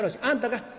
あんたか？